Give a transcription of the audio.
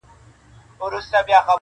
څو كسان وه په كوڅه كي يې دعوه وه -